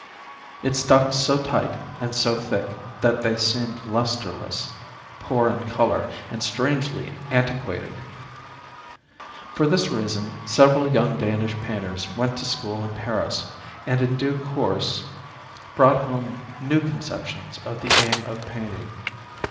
It stuck 36 80 tight and thick that they seemed lustreless, poor in colour, and strangely antiquated. For this reason several young Danish painters went to school in Paris and in due course brought home new conceptions of the aim of painting.